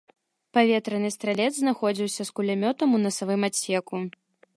Паветраны стралец знаходзіўся з кулямётам у насавым адсеку.